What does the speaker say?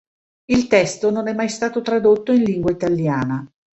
Il testo non è mai stato tradotto in lingua italiana.